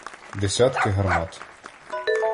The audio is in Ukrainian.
десятки гармат.